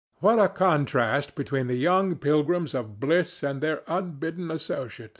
What a contrast between the young pilgrims of bliss and their unbidden associate!